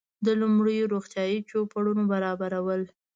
د لومړنیو روغتیایي چوپړونو برابرول.